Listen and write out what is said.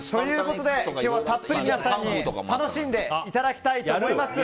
今日はたっぷり皆さんに楽しんでいただきたいと思います。